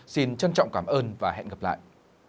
xin trân trọng cảm ơn và hẹn gặp lại